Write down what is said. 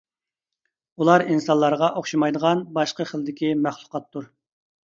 ئۇلار ئىنسانلارغا ئوخشىمايدىغان باشقا خىلدىكى مەخلۇقاتتۇر.